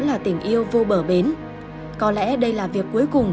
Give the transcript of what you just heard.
mấy người nói rồi